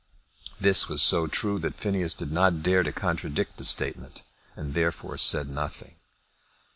This was so true that Phineas did not dare to contradict the statement, and therefore said nothing.